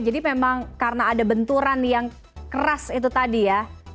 jadi memang karena ada benturan yang keras itu tadi ya